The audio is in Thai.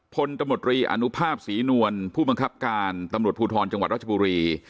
ตมตรีอนุภาพศรีนวลผู้บังคับการตำรวจภูทรจังหวัดรัชบุรี